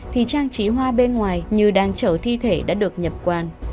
thì trang trí hoa bên ngoài như đang chở thi thể đã được nhập quan